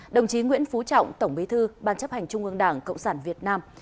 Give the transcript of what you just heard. đồng chí nguyễn phú trọng tổng bí thư ban chấp hành trung ương đảng cộng sản việt nam